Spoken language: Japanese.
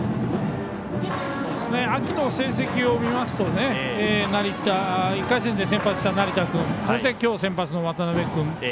秋の成績を見ますと１回戦で先発した成田君そして、きょう先発の渡邊君。